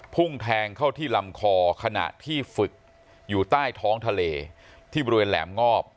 พุ่งแทงเข้าที่ลำคอขณะที่ฝึกอยู่ใต้ท้องทะเลที่บริเวณแหลมงอบ